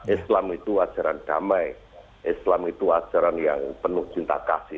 islam itu ajaran damai islam itu ajaran yang penuh cinta kasih